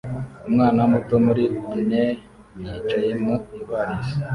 Umwana muto muri oneie yicaye mu ivarisi